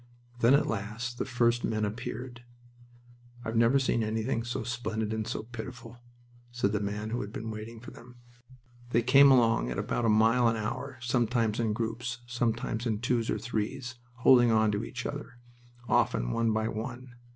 Then at last the first men appeared. "I've never seen anything so splendid and so pitiful," said the man who had been waiting for them. They came along at about a mile an hour, sometimes in groups, sometimes by twos or threes, holding on to each other, often one by one.